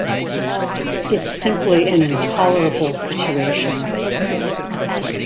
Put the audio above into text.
It's simply an intolerable situation.